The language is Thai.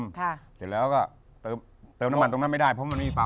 เสร็จแล้วก็เติมน้ำมันตรงนั้นไม่ได้เพราะมันมีปั๊ม